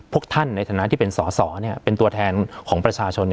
พวกท่านในฐานะที่เป็นสอสอเป็นตัวแทนของประชาชน